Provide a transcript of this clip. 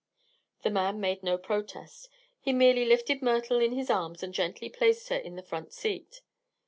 The man made no protest. He merely lifted Myrtle in his arms and gently placed her in the front seat.